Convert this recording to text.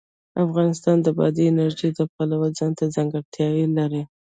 افغانستان د بادي انرژي د پلوه ځانته ځانګړتیا لري.